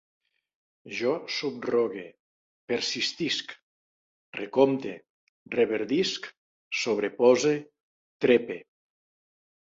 Jo subrogue, persistisc, recompte, reverdisc, sobrepose, trepe